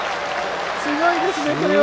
強いですね、これは！